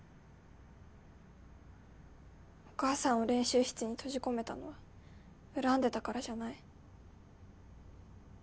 お母さんを練習室に閉じ込めたのは恨んでたからじゃない。